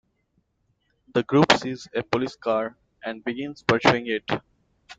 The group sees a police car and begins pursuing it.